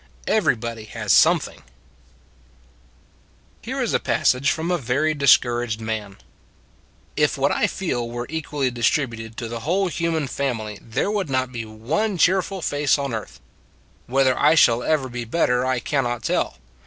EVERYBODY HAS SOMETHING H ERE is a passage from a very dis couraged man: " If what I feel were equally distributed to the whole human family there would not be one cheerful face on earth. Whether I shall ever be better I cannot tell.